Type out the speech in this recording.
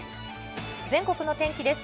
全国の天気です。